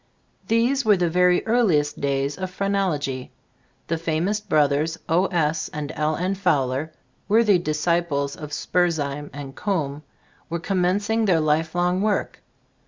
These were the very earliest days of phrenology. The famops brothers, O. S. and L. N. Fowler, worthy dis ciples of Spurzheim and Coombe, were commencing their lifelong work.